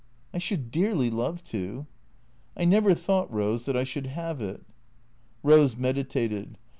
" I should dearly love to." " I never thought, Rose, that I should have it." Rose meditated.